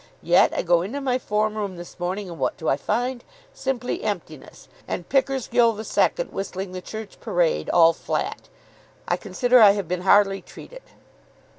Yet I go into my form room this morning, and what do I find? Simply Emptiness, and Pickersgill II. whistling 'The Church Parade,' all flat. I consider I have been hardly treated."